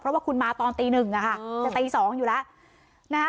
เพราะว่าคุณมาตอนตีหนึ่งอะค่ะจะตี๒อยู่แล้วนะคะ